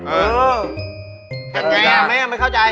เออแข่งกีฬาไหมไม่เข้าใจ